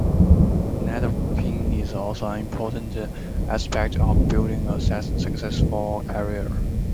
Networking is also an important aspect of building a successful career.